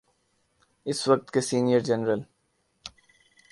اس وقت کے سینئر جرنیل۔